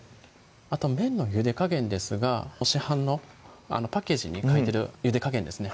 あと麺のゆで加減ですが市販のパッケージに書いてるゆで加減ですね